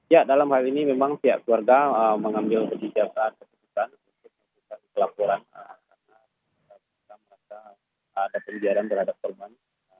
ya dalam hal ini memang pihak keluarga mengambil kebijakan